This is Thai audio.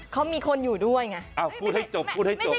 เขามีคนอยู่ด้วยไงอ้าวพูดให้จบพูดให้จบ